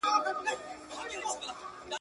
زما په شنو بانډو کي د مغول آسونه ستړي سول!